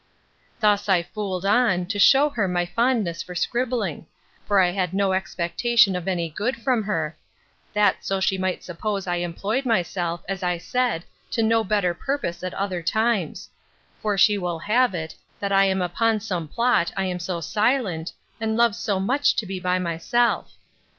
Thus I fooled on, to shew her my fondness for scribbling; for I had no expectation of any good from her; that so she might suppose I employed myself, as I said, to no better purpose at other times: for she will have it, that I am upon some plot, I am so silent, and love so much to be by myself.